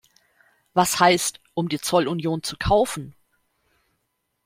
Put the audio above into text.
Was heißt, "um die Zollunion zu kaufen" ?